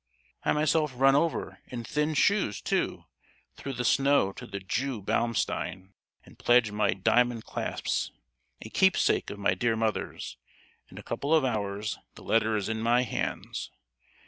I myself run over, in thin shoes, too, through the snow to the Jew Baumstein, and pledge my diamond clasps—a keepsake of my dear mother's! In a couple of hours the letter is in my hands!